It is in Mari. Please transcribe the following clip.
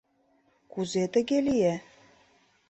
Кузе тыге лие?